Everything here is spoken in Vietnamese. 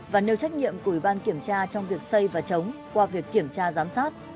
và nêu trách nhiệm của ủy ban kiểm tra trong việc xây và chống qua việc kiểm tra giám sát